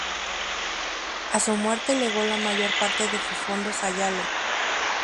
A su muerte legó la mayor parte de sus fondos a Yale.